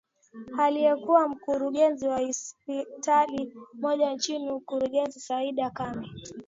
aliyekuwa mkurugenzi wa sipitali moja nchini uingereza saida kame